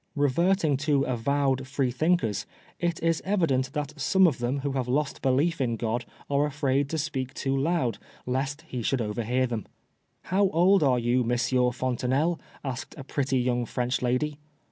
.."" Reverting to avowed Freethinkers, it ier evident that some of them who have lost belief in Grod are afraid to speak too loud lest he ^ould overhear them. <How old are you, Monsieur Fontenelle ?* asked a pretty young French lady.